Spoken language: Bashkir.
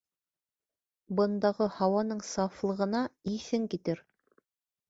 Бындағы һауаның сафлығына иҫең китер.